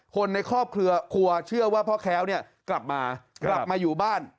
คนในครอบครัวเชื่อว่าพ่อแคล้วกลับมาอยู่บ้าน